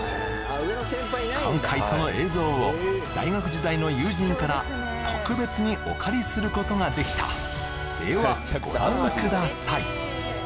今回その映像を大学時代の友人から特別にお借りすることができたではご覧ください